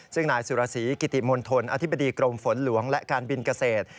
ซึ่งนายสุรศรีกิติมณฑลอธิบดีกรมฝนหลวงและการบินเกษตร